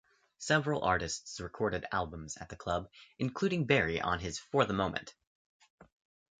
Several artists recorded albums at the club, including Barry on his For the Moment.